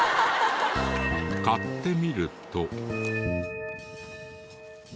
買ってみると。